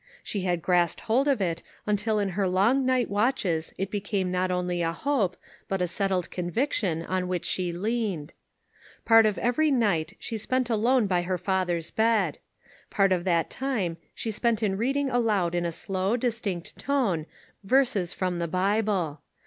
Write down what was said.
She had grasped hold of it until in her long night watches it be came not only a hope, but a settled con viction, on which she leaned. Part of every night she spent alone by her father's bed. Part of that time she spent in read ing aloud in a slow, distinct tone, verses from the Bible.